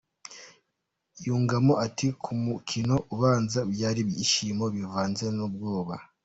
Yungamo ati ’’Ku mukino ubanza byari ibyishimo bivanze n’ubwoba.